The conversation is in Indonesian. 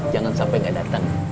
jangan sampai gak datang